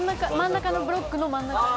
真ん中のブロックの真ん中。